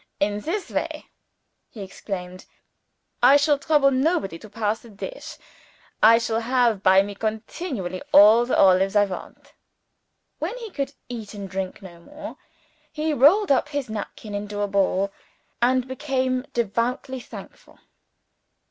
"In this ways," he explained, "I shall trouble nobody to pass the dish I shall have by me continually all the olives that I want." When he could eat and drink no more, he rolled up his napkin into a ball, and became devoutly thankful.